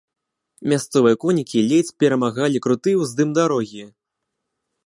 Мясцовыя конікі ледзь перамагалі круты ўздым дарогі.